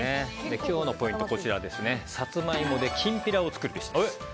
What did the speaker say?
今日のポイントはサツマイモできんぴらを作るべし。